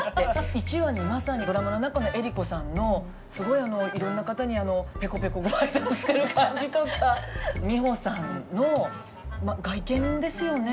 １話にまさにドラマの中の江里子さんのすごいいろんな方にペコペコご挨拶してる感じとか美穂さんの外見ですよね。